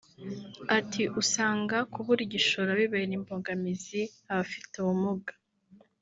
Ati “ Usanga kubura igishoro bibera imbogamizi abafite ubumuga